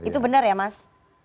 itu benar ya mas